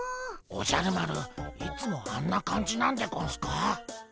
おじゃる丸いつもあんな感じなんでゴンスか？